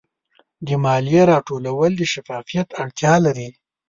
د مالیې راټولول د شفافیت اړتیا لري.